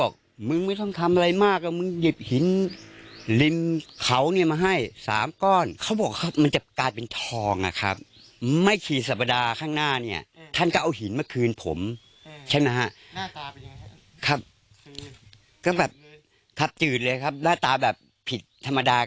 ก็แบบทับจืดเลยครับหน้าตาแบบผิดธรรมดา